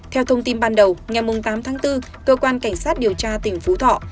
theo thông tin ban đầu ngày tám tháng bốn cơ quan cảnh sát điều tra tỉnh phú thọ